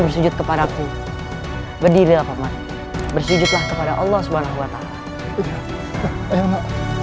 bersujud kepadaku berdiri bersujudlah kepada allah subhanahu wa ta'ala